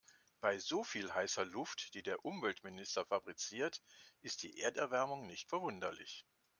Bei so viel heißer Luft, die der Umweltminister fabriziert, ist die Erderwärmung nicht verwunderlich.